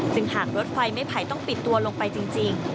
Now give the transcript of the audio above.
ซึ่งหากรถไฟไม่ไผ่ต้องปิดตัวลงไปจริง